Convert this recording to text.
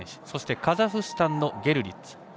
そしてカザフスタンのゲルリッツ。